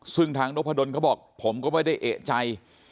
ซึ่งทางนพดลเขาบอกผมก็ไม่ได้เอกใจ